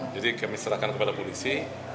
jadi kami serahkan kepada polisi